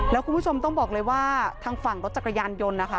แล้วคุณผู้ชมต้องบอกเลยว่าทางฝั่งรถจักรยานยนต์นะคะ